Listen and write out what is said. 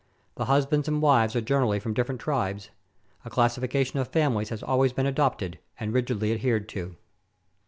The husbands and wives are generally from different tribes. A classification of families has been always adopted, and rigidly adhered to.